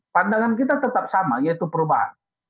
pandangan kita tetap sama yaitu perubahan